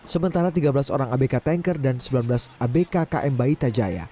sementara tiga belas orang abk tanker dan sembilan belas abk km baita jaya